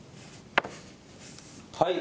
はい。